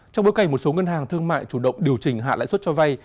trong bối cảnh một số ngân hàng thương mại chủ động điều chỉnh hạ lãi suất cho vay